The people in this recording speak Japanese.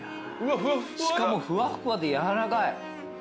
しかもふわっふわでやわらかい。